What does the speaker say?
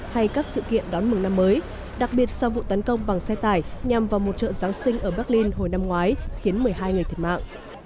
hay các sự kiện đón mừng năm mới đặc biệt sau vụ tấn công bằng xe tải nhằm vào một chợ giáng sinh ở berlin hồi năm ngoái khiến một mươi hai người thiệt mạng